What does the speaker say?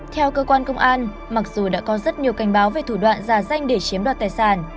theo cơ quan công an mặc dù đã có rất nhiều cảnh báo về thủ đoạn giả danh để chiếm đoạt tài sản